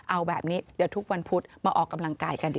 เอาแบบนี้เดี๋ยวทุกวันพุธมาออกกำลังกายกันดี